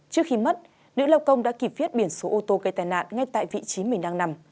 trước khi mất nữ lao công đã kịp viết biển số ô tô gây tai nạn ngay tại vị trí mình đang nằm